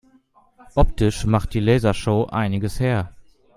Optisch macht die Lasershow einiges her.